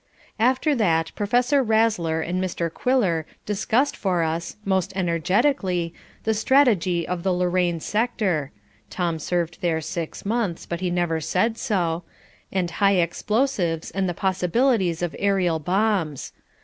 After that Professor Razzler and Mr. Quiller discussed for us, most energetically, the strategy of the Lorraine sector (Tom served there six months, but he never said so) and high explosives and the possibilities of aerial bombs.